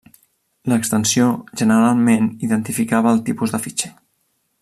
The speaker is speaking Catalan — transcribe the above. L'extensió generalment identificava el tipus de fitxer.